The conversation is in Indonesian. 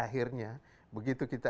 akhirnya begitu kita